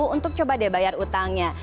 untuk coba deh bayar utangnya